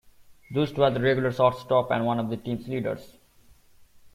Joost was their regular shortstop and one of the team's leaders.